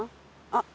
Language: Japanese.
あっ！